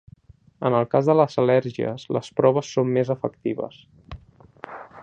En el cas de les al·lèrgies les proves són més efectives.